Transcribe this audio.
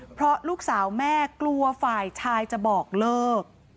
เพราะลูกสาวแม่กลัวฝ่ายชายจะบอกเลิก